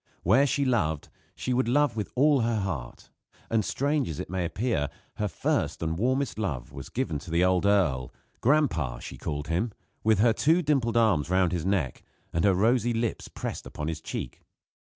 Where she loved she would love with all her heart; and strange as it may appear, her first and warmest love was given to the old earl "Gran'pa," she called him, with her two dimpled arms round his neck and her rosy lips pressed upon his cheek.